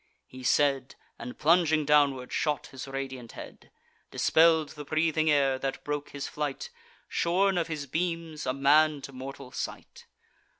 He said, And plunging downward shot his radiant head; Dispell'd the breathing air, that broke his flight: Shorn of his beams, a man to mortal sight.